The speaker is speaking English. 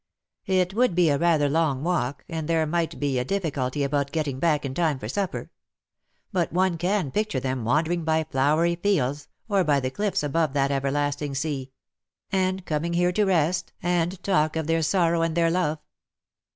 It would be rather a long walk, and there might be a difficulty about getting back in time for supper ; but one can picture them wandering by flowery fields, or by the cliffs above that everlasting sea, and coming here to rest and 118 ^^love! thou art leading me talk of their sorrow and their love.